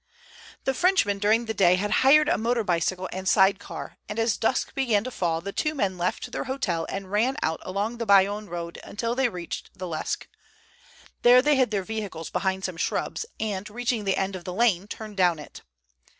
The Frenchman during the day had hired a motor bicycle and sidecar, and as dusk began to fall the two men left their hotel and ran out along the Bayonne road until they reached the Lesque. There they hid their vehicle behind some shrubs, and reaching the end of the lane, turned down it.